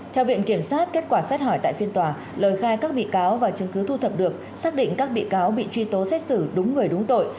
theo viện kiểm sát kết quả xét hỏi tại phiên tòa lời khai các bị cáo và chứng cứ thu thập được xác định các bị cáo bị truy tố xét xử đúng người đúng tội